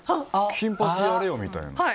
金八やれよみたいな。